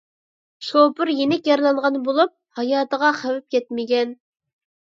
شوپۇر يېنىك يارىلانغان بولۇپ، ھاياتىغا خەۋپ يەتمىگەن.